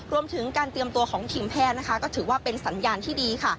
รวมถึงการเตรียมตัวของทีมแพทย์นะคะก็ถือว่าเป็นสัญญาณที่ดีค่ะ